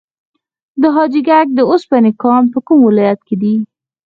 د حاجي ګک د وسپنې کان په کوم ولایت کې دی؟